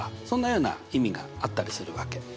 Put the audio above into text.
そんなような意味があったりするわけ。